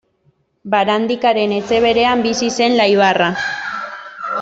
Barandikaren etxe berean bizi zen Laibarra.